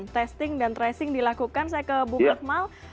testing dan tracing dilakukan saya ke bu akmal